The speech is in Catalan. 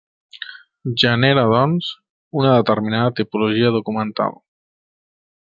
Genera, doncs, una determinada tipologia documental.